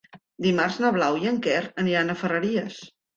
Dimarts na Blau i en Quer aniran a Ferreries.